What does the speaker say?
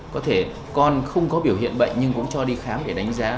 có thể con không có biểu hiện bệnh nhưng cũng cho đi khám để đánh giá